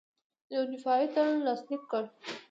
یو دفاعي تړون لاسلیک کړ.